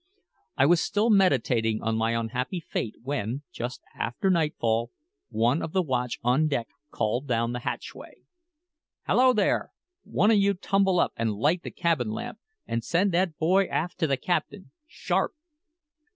I was still meditating on my unhappy fate when, just after nightfall, one of the watch on deck called down the hatchway: "Hallo, there! One o' you tumble up and light the cabin lamp, and send that boy aft to the captain sharp!"